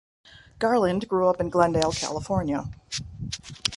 Garland grew up in Glendale, California.